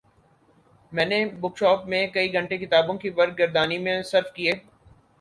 میں نے book shop میں کئی گھنٹے کتابوں کی ورق گردانی میں صرف کئے